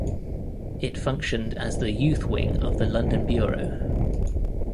It functioned as the youth wing of the London Bureau.